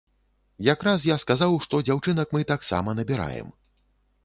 Якраз я сказаў, што дзяўчынак мы таксама набіраем.